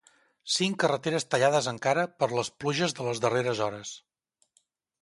Cinc carreteres tallades encara per les pluges de les darreres hores.